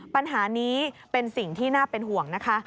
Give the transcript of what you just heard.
ปัญหานี้เป็นสิ่งที่น่าเป็นห่วงนะคะ